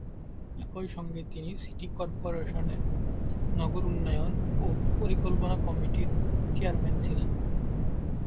একইসঙ্গে তিনি সিটি কর্পোরেশনের নগর উন্নয়ন ও পরিকল্পনা কমিটির চেয়ারম্যান ছিলেন।